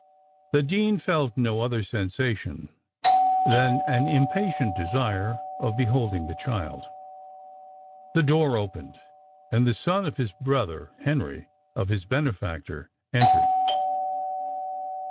The dean felt no other sensation than an impatient desire of beholding the child. The door opened and the son of his brother Henry, of his benefactor, entered.